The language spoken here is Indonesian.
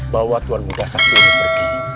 bawa tuan mudo sakti ini pergi